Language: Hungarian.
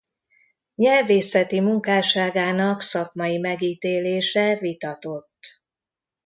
Nyelvészeti munkásságának szakmai megítélése vitatott.